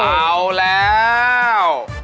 เอาแล้ว